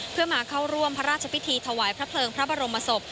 เพื่อมาเข้าร่วมพระราชพิธีถวายพระเพลิงพระบรมศพ